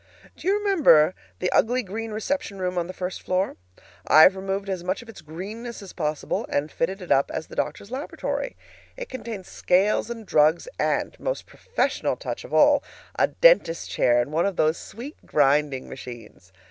Do you remember the ugly green reception room on the first floor? I have removed as much of its greenness as possible, and fitted it up as the doctor's laboratory. It contains scales and drugs and, most professional touch of all, a dentist's chair and one of those sweet grinding machines.